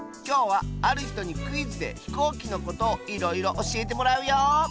きょうはあるひとにクイズでひこうきのことをいろいろおしえてもらうよ。